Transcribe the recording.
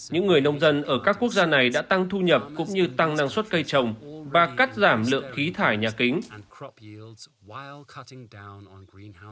những người nông dân ở các quốc gia này đã tăng thu nhập cũng như tăng năng suất cây trồng và cắt giảm lượng khí thải nhà kính